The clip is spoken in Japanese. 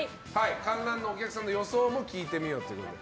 観覧のお客さんの予想も聞いてみようということで。